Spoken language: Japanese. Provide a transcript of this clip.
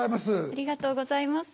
ありがとうございます。